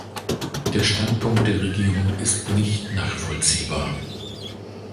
Der Standpunkt der Regierung ist nicht nachvollziehbar.